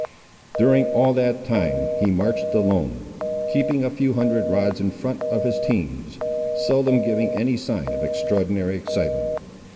During all that time he marched alone, keeping a few hundred rods in front of his teams, seldom giving any sign of extraordinary excitement.